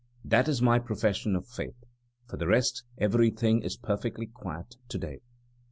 That is my profession of faith. For the rest, everything is perfectly quiet to day.